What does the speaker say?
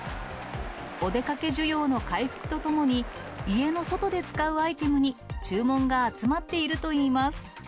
お出かけ需要の回復とともに、家の外で使うアイテムに注文が集まっているといいます。